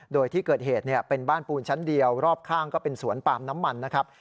โดยที่เกิดเหตุเป็นบ้านปูนชั้นเดียวรอบข้างก็เป็นสวนปาล์มน้ำมันนะครับ